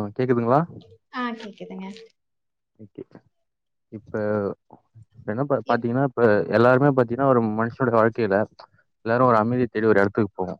ம் கேக்குதுங்களா ஆ கேக்குதுங்க ஓக்கே இப்ப என்ன எப் பாத்தீங்ன்னா இப்ப எல்லாருமே பாத்தீங்கன்னா ஒரு மனுஷனுடைய வாழ்க்கையில எல்லாரு ஒரு அமைதி தேடி ஒரு எடத்துக்கு போவோ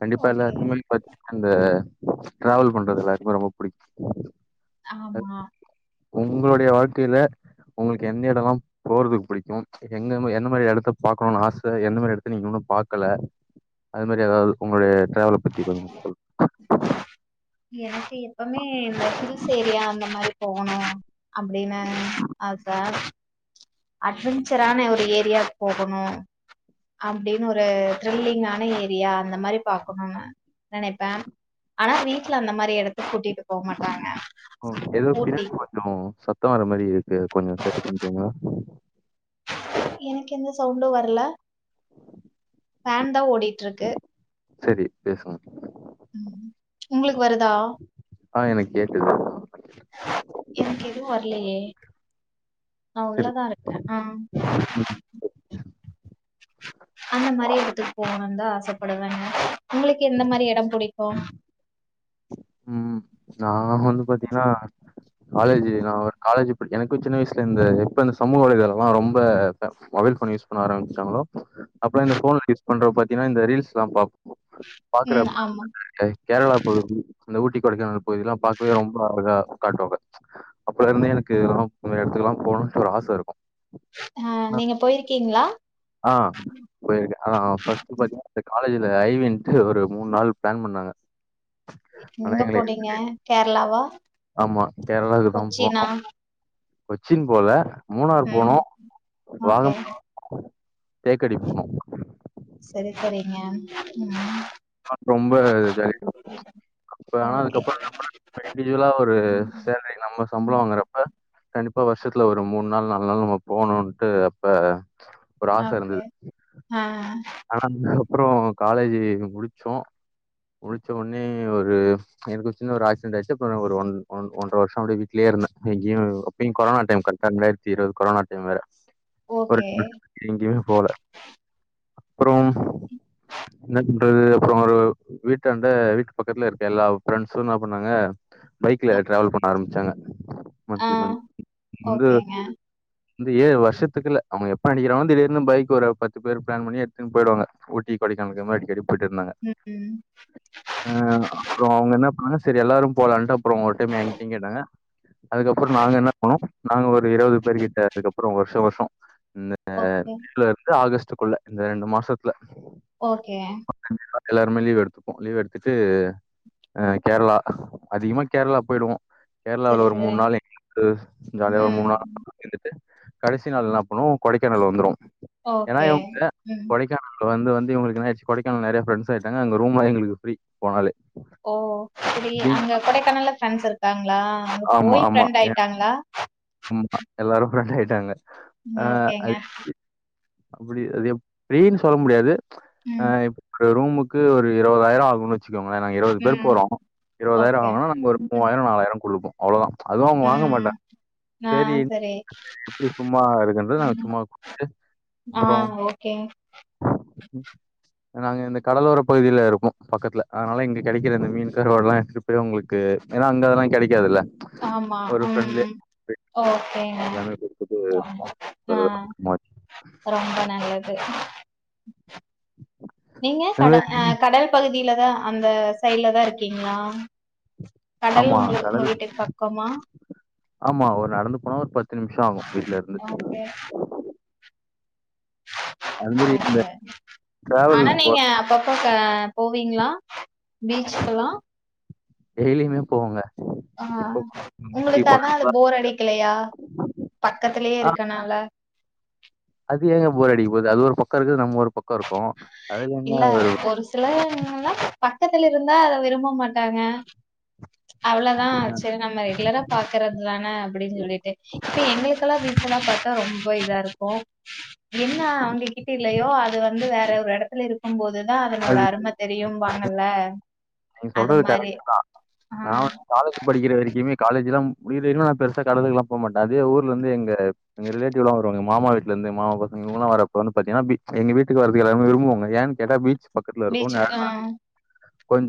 கண்டிப்பா ஓகே. எல்லாருக்குமே பாத்தீங்கன்னா அந்த டிராவல் பண்றது எல்லாருக்குமே ரொம்ப புடிக்கு ஆமா உங்களுடைய வாழ்க்கையில உங்களுக்கு எந்த எடம்லா போறதுக்கு புடிக்கும் எங்க எந்த மாரி எடத்த பாக்கணும்னு ஆச எந்த மாரி எடத்த நீங்க இன்னும் பாக்கல அது மாரி எதாவது உங்களுடைய டிராவல பத்தி கொஞ்சு சொல் எனக்கு எப்பமே இந்த ஹில்ஸ் ஏரியா அந்த மாரி போகணு அப்டின்னா அதா அட்வெஞ்சரான ஒரு ஏரியாக்கு போகணு அப்டின்னு ஒரு த்ரில்லிங்கான ஏரியா அந்த மாரி பாக்கணுனு நெனப்பே ஆனா வீட்ல அந்த மாரி எடத்துக்கு கூட்டிட்டு போக மாட்டாங்க ஊட்டி ஓ சத் த்தம் வர்ற மாரி இருக்கு கொஞ்ச சரி பண்றீங்களா எனக்கு எந்த சவுண்டு வர்ல ஃபேன் தா ஓடிட்டு இருக்கு செரி பேசுங்க ம் உங்களுக்கு வருதா ஆ எனக் கேக்குது எனக்கு எதுவு வர்லயே நா சரி உள்ளதா இருக்கன் ஆ அந்த மாரி எடத்துக்கு போகணுந்தா ஆசப்படுவங்க உங்களுக்கு எந்த மாரி எட புடிக்கு ம் நா வந்து பாத்தீகங்ன்னா காலேஜி நா ஒரு காலேஜ் ப எனக்கு சின்ன வயசுல இந்து எப்ப இந்த சமூக வலைதளம்லா ரொம்ப மொபைல் ஃபோன் யூஸ் பண்ண ஆரம்பிச்சாங்களோ அப்ப இந்த ஃபோன் யூஸ் பண்ற பாத்தீங்கன்னா இந்த ரீல்ஸ்ல்லா பாப் ம். பாக்குறப்ப ஆமா. கேரளா பகுதி இந்த ஊட்டி கொடைக்கானல் பகுதில்லா பாக்கவே ரொம்ப ஒரு இத காட்டுவாங்க அப்பலருந்தே எனக்கு இத்தல இந்த மாரி எடத்துக்குல்லா போணுட்டு ஒரு ஆசருக்கு ஆ நீங்க போய்ருக்கீங்ளா ஆ போய்ருக்கே ஆ ஃபர்ஸ்ட் பாத்தீங்ன்னா அந்த காலேஜ்ல ஐ வி ன்ட்டு ஒரு மூணு நாள் ப்ளான் பண்ணாங்க ஆனா எங்க எங்கள போனீங்க? எந்த கேரளாவா? [inaudible] ஆமா கேரளாக்கு தா போனோ கொச்சினா? கொச்சின் போல மூணார் ம். போனோ ஓகே. வாகமான் தேக்கடி போனோ செரி செரிங்க ம் அப்பறோ ஆனா ஓகே. அதுக்கப்றோ என்னாபண்ண நம்ம இண்டிவிஜுவலா ஒரு ம். சேலரி நம்ம சம்பளொ ம். வாங்கறப்ப கண்டிப்பா வர்ஷத்துல ஒரு மூண் நாள் நாலு நாள் நம்ம போணுட்டு அப்ப ஒரு ஆசை ஓகே இருந்தது. ஆ ஆனா அதுக்கப்றொ காலேஜ்ஜி முடிச்சோ முடிச்ச ஒன்னே ஒரு எனக்கு சின்ன ஒரு ஆக்சிடெட் ஆய்ச்சு அ ஒருஒன் ஒன் ஒன்ற வர்ஷொ அப்டிய வீடலே இருந்த எங்கியு அப்பியு கொரோனா டைம் [unintelligible] ரெண்டாயிரத்தி இருவது கொரோனா டைம் வேற ஒரு ஓகே. [inaudible] எங்கேயுமே போல அப்பறொ என்ன பண்றது அப்றொ ஒரு வீட்டாண்ட வீட்டு பக்கத்துல இருக்க எல்லா ஃப்ரெண்ட்ஸு என்னா பண்ணாங்க பைக்ல அ. டிராவல் பண்ண ஆரம்பிச்சாங்க ஆ மந்த்லி மந்த் வந்து ஓகேங்க. [unintelligible] ஏ வர்ஷத்துக்குள்ள அவுங்க எப்ப நெனக்றாங்களோ திடீர்னு பைக் ஒரு பத்து பேர் ப்ளான் பண்ணி எ த்துன் போய்டுவாங்க ஊட்டி கொடைகானலுக்கு இந்தமாரி அடிக்கடி போய்ட்டு இருந்தாங்க ம் ம் ஆ அப்றொ அவுங்க என்ன பண்ணாங்க சரி எல்லாரு போலான்டா அ ப்றொ ஒரு டைம் எங்கிட்ட கேட்டாங்க அதுக்கப்றொ நாங்க என்ன பண்ணோ நாங்க ஒரு இருவது பேர் கிட்ட அதுக்கப்றொ அப்றொ வர்ஷொ வர்ஷ இந்த ஓகே. மேலேருந்து ஆகஸ்ட்டுக்குள்ள இந்த ரெண்டு மாசத்துல ஓகே எல்லாருமே லீவ் எடுத்துப்போ லீவ் எடுத்துட்டு அ கேர்ளா அதிகமா கேர்ளா போய்டுவோ கேர்ளால சரி, ஒரு சரி. மூண் நாள் [inaudible] ஜாலியா ஒரு மூண் ம். நாள் இருந்துட்டு கடைசி நாள் என்ன பன்னுவோ கொடைக்கானல் வந்துரு ம். ஏனா ஓகே. இவுங்க ம். கொடைக்கானல் வந்து வநது இவுங்களுக்கு என்னச்சி கொடைக்கானல்ல நெறைய ஃப்ரண்டஸ் ஆய்ட்டாங்க அங்க ரூம்லா எங்களுக்கு ஃப்ரீ போனாலே ஓ செரி ஃப்ரீ அங்க கொடைக்கானல்ல ஃப்ரெண்ட்ஸ்ஸு இருக்காங்ளா அங்க போய் ஃப்ரெண்ட் ஆய்ட்டாங்ளா ஆம்மா எல்லாரு ஃப்ரெண்ட் ஆய்ட்டாங்க ம் ஆ ஓகேங்க. அது எப்டி அப்டி அது எப்டின்னு சொல்ல முடியாது ஆ ம், [inaudible] ஒரு ரூமுக்கு ஒரு இருவதாயிரொ ஆகு வச்சுக்கோங்ளே நாங்க இருவது பேர் ம். போறோ இருவதாயிரொ ஓகே. ஆவுன்னா நாங்க ஒரு ம், மூவாயிரொ நாலாயிரொ குடுப்போ அவ்ளோதா அதுவு அவுங்க ம். வாங்கமாட்டாங் ஆ செரி சும்மா இருக்குன்றது நாங்க ம் சும்மா ஆ அப்புறம் ஓ கே [inaudible] நாங்க இந்த கடலோர பகுதில இருக்கோ பக்கத்துல அதனால இங்க கெடைக்கிற இந்த மீன் கருவாட்லா எடுத் அப்ப அவுங்களுக்கு ஏனா அங்க அதெல்லா கெடைக்காதுல்ல ஆமா ஒரு ம் ஃப்ரெண்ட்லியா ம் ஓகேங்க எல்லாமே குடுத்துட்டு ஆ வரதுக்கு ரொம்ப நல்லது நீங்க அது கட மாரி அ கடல் பகுதிலதா அந்த சைட்ல தாருக்கீங்ளா கடல் ஆமா ஒங்களுக்கு ஒங்க கடல் வீட்டுக்கு பக்கமா ஆமா ஒரு நடந்து போனா ஒரு பத்து நிம்ஷொ ஆகு வீட்லருந்து [inaudible] அது மாரி இந்த டிராவல் ஆனா போ நீங்க அப்பப்ப அ போவீங்ளா பீச்சுகெல்லா டெய்லிமே போவோங் ஆ ஒங்களுக்கு அதா அது ஃபோர் அடிக்கலையா பக்கத்லே ஆ இருக்கனால அது ஏங்க போரடிக்க போது அது ஒரு பக்கொருக்கு நம்ம ஒரு பக்ககோருக்கொ இல்ல ஒரு சிலர்லா பக்கத்துல இருந்தா அத விரும்ப மாட்டாங்க அவ்ளதா சேரி நம்ம ரெகுலரா பாக்குறது தான அப்டின்னு சொல்லிட்டு இப்ப எங்க மெரீனா பீச்செலா பாத்தா ரொம்ப இதாருக்கு என்ன அவுங்க கிட்ட இல்லயோ அது வந்து வேற ஒரு இடத்து ல இருக்கும் போது தா அதனோட அது அருமை தெரியும்பாங்கல்ல நீங்க அது சொல்றது மாரி கரெக்டா தா ஆ நா காலேஜ் படிக்கிற வரைக்குமே காலேஜ்லா முகிறது நா பெருசா கடலக்குல்லா போ மாட்டே அதே ஊர்லருந்து எங்க எங்க ரிலேட்டிவ்லா வருவாங்க மாமா வீட்லருந்து மாமா பாசங்கள் இவுங்கல்லா வரப்ப வந்து பாத்திங்கன்னா எங்க வீட்டுக்கு வருதுக்கு எல்லாறுமே விரும்புவாங்க ஏ கேட்டா பீச் பக்கத்துலருக்கு பீச்சுக்கு ஆ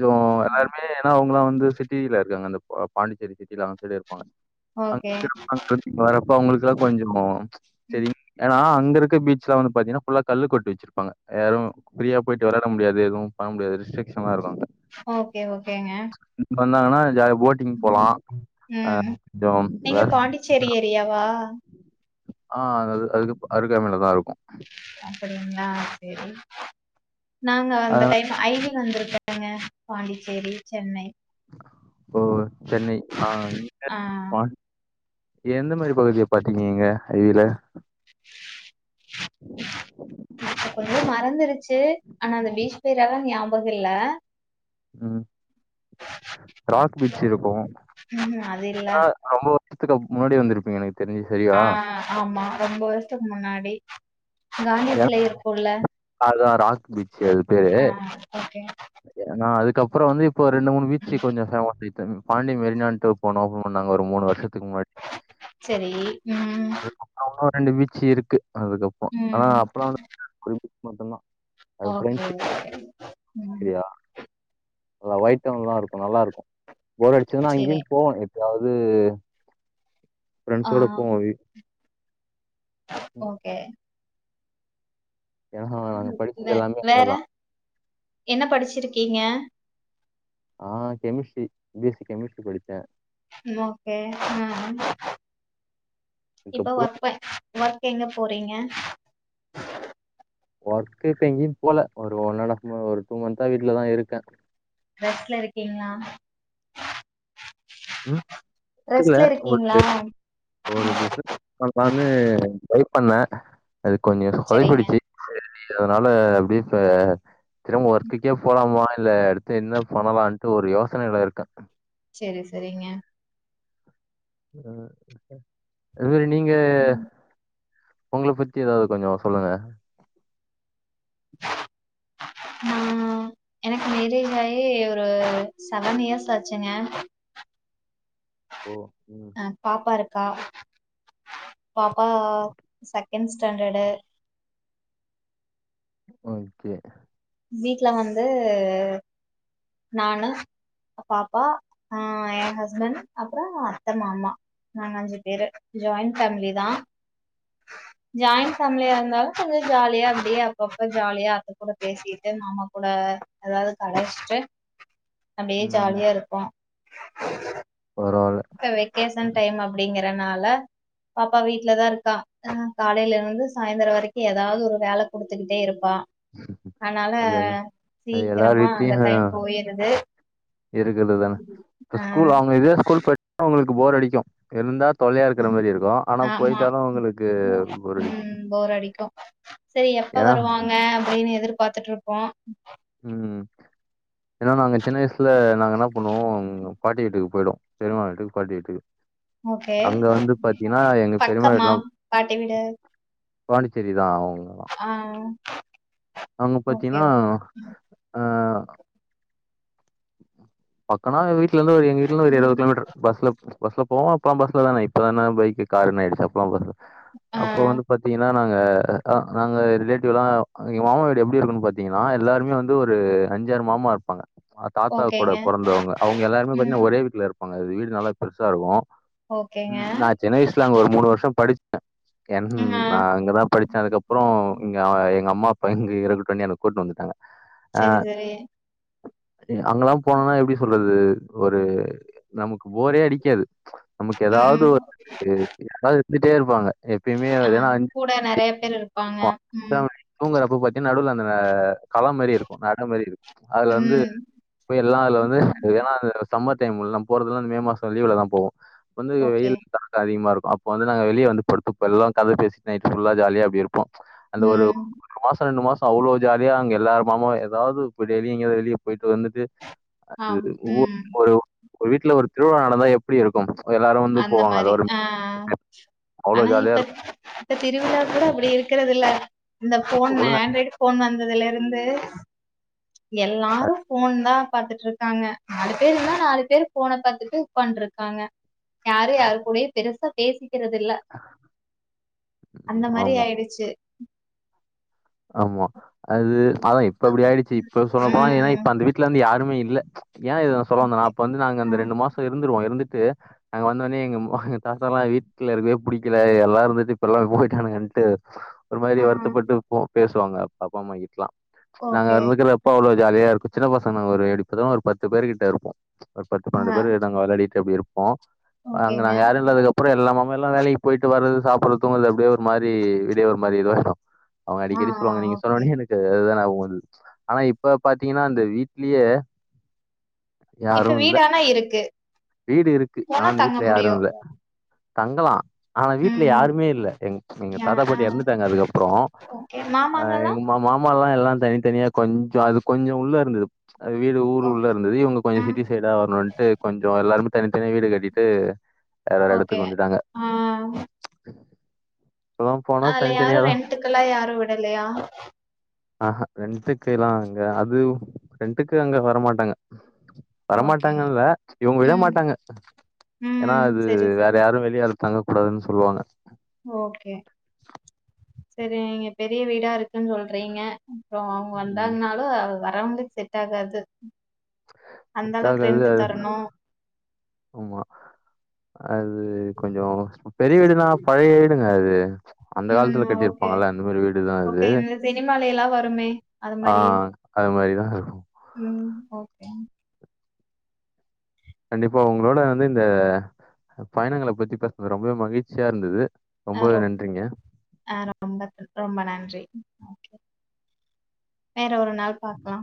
இப்போ எல்லாருமே ஏன்னா அவங்களா வந்து சிட்டியில இருக்காங்க அந்த பாண்டிச்சேரி சிட்டில அங்க சிட்டில இருப்பாங்க அங்க ஓகே இருக்கிற வர்றப்ப அவங்களுக்கெல்லா கொஞ்சோ சேரிங்க ஏன்னா அங்க இருக்க சில வங்க பாத்தீங்கன்னா ஃபுல்லா கல்லு கொட்டி வச்சிருபாங்க யாரு ஃப்ரீயா போய்ட்டு வெளையாடா முடியாது ஏதுவு பண்ண முடியாது ரி்ட்க்ஷானாருக்கு ஓகே ஓகேங்க வந்தாங்கன்னா ஜாலி போ போலா ம் ஆ ம் கொஞ்சோ நீங்க வேற பாண்டிச்சேரி ஏரியாவா ஆ அது அதுக்கு அருகாமைல தாருக்கு அப்டிங்களா சேரி நாங்க அ அந்த டைம் ஐ வி ல வந்திருக்கேங்க பாண்டிச்சேரி சென்னை ஓ சென்னை ஆ ஆ [inaudible] பாண் எந்த மாதிரி பகுதிய பாத்திருக்கீங்கங்க ஐர இப்ப கொஞ்சோ மறந்துருச்சு ஆனா அந்த பீச் பேர் எல்லா ஞாபகோ இல்ல ம் ராக் பீச் இருக்கு ம் அது இல்ல ஏன்னா அ ரொம்ப வருஷத்துக்கு முன்னாடி வந்திருப்பீங்க எனக்கு தெரிஞ்சி ஆ ஆமா ரொம்ப வருஷத்துக்கு முன்னாடி ஏன்னா காந்தியத்துல இருக்குல்ல அதான் ராக் பீச் ஆ ஓ கே ஆ அதுக்கப்றோ வந்து இப்போ ரெண்டு மூணு பீச்சு கொஞ்சோ பேமஸ் ஆய்ச்சி பாண்டி மெரினான்ட்டு போனோ ஒ நாங்க ஒரு மூணு வருஷத்துக்கு முன்னாடி சரி ம் அங்க ரெண்டு பீச்சு இருக்கு அதுக்கப்போ ம் [inaudible] மட்டுந்தா ஓகே அதுக்கு ஓகே [inaudible] ம் சரியா நல்லா வொய்ட்டன்லா இருக்கு நல்லாருக்கும் போர் அடிச்சதுன்னா செரி அங்கேயும் போவங்க எப் பயாவ்து ஆ ஃபிரெண்ட்ஸோட போவ வீ ஓகே ஏன்னா நாங்க படிச்சது க்குற எல்லாமே அங்க வேற தான். என்ன படிச்சிருக்கீங்க நா chemistry B S C chemistry படிச்சே ம் ஓகே ம் இப்ப அதுக்கப்புறம் ஒர்க் ப ஒர்க் எங்க போறீங்க ஒர்க்குக்கு எங்கேயும் போல ஒரு ஒன் அண்ட் ஹாஃப் ம ஒரு டூ மந்த்தா வீட்லதா இருக்க ரெஸ்ட்ல இருக்கீங்ளா ம். இல்ல ரெஸ்ட்ல ஒரு இருக்கீங்ளா ஒரு பிசினஸ் பண்ணலானு டிரை பண்ணே அது கொஞ்சொ செரிங்க சொதப்பிடிச்சு செரி அதனால அப்டியே இப்ப திரும்ப ஒர்க்குக்கே போலாமா இல்ல என்ன பண்ணலாண்ட்டு ஒரு யோசனைல இருக்க செரி செரிங்க ம் [inaudible] அது மாரி நீங்க ம் ஒங்கள பத்தி எதாவ்து கொஞ்சோ சொல்லுங்க ஆ அ எனக்கு மேரேஜ் ஆயி ஒரு செவன் இயர்ஸ் ஆச்சுங்க ஓ ம் அ பாப்பா இருக்கா பாப்பா செகண்ட் ஸ்டாண்டர்டு ஓகே வீட்ல வந்து நா என்ன பாப்பா ஆ எ ஹஸ்பண்ட் அப்றோ அத்த மாமா நாங்க அஞ்சு பேரு ஜாயிண்ட் ஃபேமிலி தா ஜாயின் ஃபேமிலியா இருந்தாலு கொஞ்சோ ஜாலியா அப்டியே அப்பப்ப ஜாலியா அத்த கூட பேசிட்டு மாமா கூட எதாவ்து கலாய்ச்சிட்டு அப்டியே ம். ஜாலியா இருக்கு [inaudible] பரவால்ல இப்ப வெக்கேஷன் ம். டைம் அப்டிங்கறனால பாப்பா வீட்லதா இருக்கா ஆ காலைல இருந்து சாய்ந்தரோ வரைக்கு எதாவ்து ஒரு வேல குடுத்துக்குட்டே இருப்பா அதுனால அது எல் அது எல்லார் சீக்கிரமா அந்த டைம் போயிருது இருக்குது தான இது ஆ ஸ்கூல் அவுங்க இதே ஸ்கூல் போய்டா உங்களுக்கு போர் அடிக்கு இருந்தா தொல்லையா இருக்கிற மாரி இருக்கும் ஆனா ஆமா பொய்ட்டாலு உங்களுக்கு போர் அடிக்கு சேரி எப்ப வருவாங்க அப்டின்னு எதிர்பாத்துட்டுருப்போ ம் ஏனா நாங்க சின்ன வயசுல நாங்க என்ன பண்ணுவோம் பாட்டி வீட்டுக்கு போயிடு பெரிமா வீட்டுக் பாட்டி வீட்டுக்கு ஓகே அங்க வந்து பாத்தீங்கன்னா எங்க பெரிமா பக்கமா வீட்லா பாட்டி வீடு பாண்டிச்சேரி தா அவுங்களா ஆ அவுங்க ஓகே பாத்தீன்னா ஆ பக்கொனா எ வீட்லருந்து ஒரு எங்க வீட்லந்து ஒரு எழுவது ம் கிலோமீட்டர் பஸ்ல பஸ்ல போவோ அப்ற பஸ்லதானே இப்பதான பைக் காருன் ஆயிடுச்சு அப்பல்லா பஸ் ஆ அப்போ வந்து பாத்தீங்கன்னா நாங்க நாங்க ரிலேட்டிவ்லா எங்க மாமா வீடு எப்டி இருக்குன்னு பாத்தீங்கன்னா எல்லாருமே வந்து ஒரு அஞ்சாரு மாமா இருப்பாங்க தாத்தா கூட ஓகேங்க பொறந்தவுங்க அவுங்க எல்லாருமே பாத்தின்னா ம் ஒரே வீட்ல இருப்பாங்க அது வீடு நல்லா பெருசா இருக்கு ஓகேங்க ம் நா சின்ன வயசுல அங்க ஒரு மூணு வருஷ படிச்சே என் ம் ஆ நா அங்கதா படிச்சே அதுக்கப் ற இங்க எங்க அம்மா அப்பா இங்க எறந்துடோனே என்ன கூட்னு வந்துட்டாங்க ஆ செரி செரி அங்கெல்லா போனோம்னா எப்டி சொல்றது ஒரு நமக்கு போரே அடிக்காது நமக்கு ஏதாது ம் ஒரு யாராது இருத்துட்டே இருப்பாங்க எப்பயுமே ஆ ஏன்னா [inaudible] கூட நெறைய பேர் இருப்பாங்க ம் தூங்குறப்ப பாத்தீன்னா நடுல அந்த கள மாரி இருக்கு நடு மாரி இருக்கு அதுல வந்து ம் போய் எல்லா அதுல வந்து ஏன்னா அந்த சம்மர் டைம் நம் போறதுலா அந்த மே மாச லீவுலதா போவோ வந்து ஓகே வெயில் தாக்க அதிகமா இருக்கு அப்போந்து நா வெளிய வந்து படுத்துப்ப எல்லா கத பேசி நைட் ஃபுல்லா ஜாலியா அப்புடி இரு க்கு அந்த ஒரு ம் ஒரு மாச ரெண்டு மாச அவ்ளோ ஜாலியா அங்க எல்லாரு மாமாவு ஏதாது போய் டெய்லியு எங்காது வெளிய போய்ட்டு வந்துட்டு அது ஆம் ம் ஒரு ஒரு வீட்ல ஒரு திருவிழா நடந்தா எப்டி இருக்கு அந்த மாரி ஆ அவ்ளோ ஆனா ஜாலியா இப்ப இருக்கும். இப்ப திருவிழா கூட அப்டி இருக்கறதுல்ல இந்த இப்ப போன் கூட ஆண்ட்ராய்டு ஃபோன் வந்ததுலருந்து எல்லாரு ஃபோன்தா பாத்துட்ருக்காங்க நாலு பேர் இருந்தா நாலு பேர் ஃபோன பாத்துட்டு உக்காண்ட்ருக்காங்க யாரு யாரு கூடயு பெருசா பேசிக்கறது இல்ல அந்த மாரி ஆமா, ஆயிடுச்சு ஆமா அது அது இப்ப அப்புடி ஆயிடுச்சு இப்ப சொல்லப்போனா ஏன்னா ம் இப்ப அந்த வீட்ல வந்து யாருமே இல்ல ஏ இத நா சொல்ல வந்தனா ஓகே அப்ப வந்து நாங்க ஆ அந்த ரெண்டு மாச இருந்துருவோ இருந்துட்டு நாங் வந்தோனே எங்க எங்க தாத்தால்லா வீட்ல இருக்கவே புடிக்கல எல்லா இருந்துட்டு இப்ப எல்லாமே போயிட்டானுங்கன்ட்டு ஒரு மாரி ஆ வருத்தப்பட்டு போ பேசுவாங்க அப்பா அம்மா கிட்டல்லா நாங்க ஓகே இருக்கிற அப்ப அவ்ளோ ஜாலியா இருக்கு சின்ன பசங்க ஒரு எப்டிபாத் ஒரு பத்து பேருகிட்ட இருப்போ ஒரு பத்து பன்னெண்டு ஆ பேர் கிட்ட விளையாடிட்டு அப்டி இருப்போ அங்க ஓகேங்க நாங்க யாரு இல்லாதுக்கப் அப்புறோ எல்லாமே எல்லா வேலைக்கு போயிட்டு வறது சாப்புறது தூங்கறது அப்டிய ஒரு மாரி வீடே ஒரு மாதிரி இதுவாயிடு அவங்க ஆ அடிக்கடி ஆ சொல்லுவாங்க நீங்க ஓகே சொன்னோனே எனக்கு அதுதா நியாபகோ வந்துது ஆனா இப்ப பாத்தீங்கன்னா அந்த வீட்லேயே இப்ப வீடானா இருக்கு வீடு இருக்கு ஆனா போனா அந்த தங்க வீட்ல யாரு முடியு இல்ல தங்கலா ஆனா வீட்ல ம் யாருமே இல்ல எங் எங்க ஆ தாத்தா ஆ பாட்டி எறந்துட்டாங்க அதுக்கப்பறோ ஓகே அ மாமாங்கல்லா எங் மாமால்லா எல்லாம் தனித்தனியா கொஞ்ச அது கொஞ்ச உள்ள இருந்தது அ வீடு ஊர் உள்ள ஓகே இருந்தது இவங்க கொஞ்சொ ஆ சிட்டி சைடா வரணுன்ட்டு கொஞ் சோ எல்லாருமே தனித்தனியா வீடு கட்டிட்டு வேற வேற ஓகே எடத்துக்கு வந்துட்டாங்க [inaudible] ஆ அதுல யாரு தனித்தனியாதா ரென்டுக்கெல்லா யாரு விடலையா ஆஹா ரெண்டுக்கு எல்லா அங்க அது ரெண்டுக்கு அங்க வரமாட்டாங்க ஓகே வரமாட்டாங்கல்ல இவங்க விட ம் மாட்டாங்க ம் ஏனா அது சரி வேற சரி யா வெளியாள் தங்கக் கூடாதுன் சொல்வாங்க ஓகே சரி நீங்க பெரிய வீடா இருக்குன்னு சொல்றீங்க அப்றோ அவங்க ம் வந்தாங்னாலு வரவங்களுக் செட் ஆகாது அந்த செட் அளவுக்கு ஆகாது ரெண்ட்டு அது தரணு ஆமா அது கொஞ்சொ பெரிய வீடுனா பழைய வீடு ஞ்சோ அது அந்த ம் காலத்துல ஓகே கட்டிருப்பாங்கல அந்த மாரி வீடுதா ஓகே இது இந்த சினிமால எல்லாம் வருமே அது ஆ மாதிரி அது மாரிதா இருகு ம் ஓகே கண்டிப்பா உங்களோட வந்து இந்த பயணங்கள பத்தி பேசினது ரொம்ப மகிழ்ச்சியா இருந்தது ரொம்பவே நன்றிங்க [unintelligible] ரொம்பத் ரொம்ப நன்றி வேற ஒரு நாள் பாக்கலா